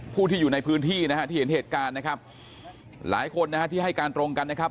ผู้ที่อยู่ในพื้นที่นะฮะที่เห็นเหตุการณ์นะครับหลายคนนะฮะที่ให้การตรงกันนะครับ